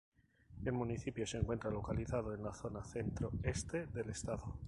El municipio se encuentra localizado en la zona centro-este del estado.